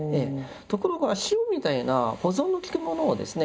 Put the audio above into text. ところが塩みたいな保存のきくものをですね